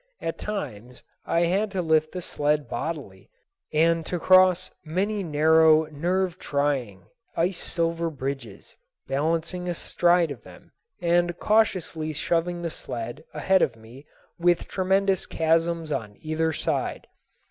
At times I had to lift the sled bodily and to cross many narrow, nerve trying, ice sliver bridges, balancing astride of them, and cautiously shoving the sled ahead of me with tremendous chasms on either side.